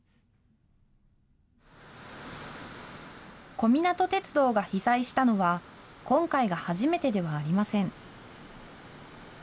小湊鐵道が被災したのは、今回が初めてではありません。